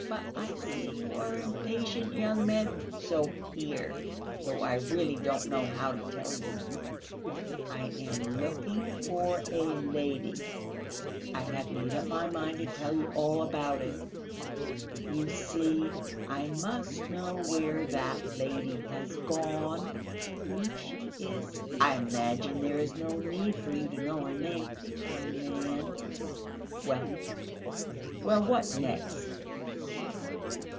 But I see you are impatient, young man.... So here ... though I really don't know how to tell you: I am looking for a lady (I have made up my mind to tell you all about it). You see, I must know where that lady has gone. Who she is I imagine there is no need for you to know her name, young man." "Well, well, what next?"